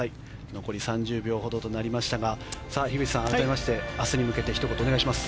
残り３０秒ほどとなりましたが樋口さん改めて明日に向けてひと言お願いします。